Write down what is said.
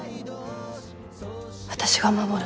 私が守る。